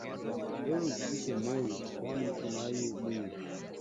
Ewe usife moyo, kwani tunaye Mungu.